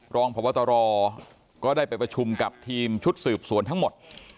รองพบตรก็ได้ไปประชุมกับทีมชุดสืบสวนทั้งหมด